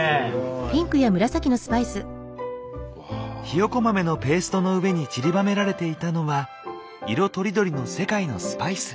ひよこ豆のペーストの上にちりばめられていたのは色とりどりの世界のスパイス。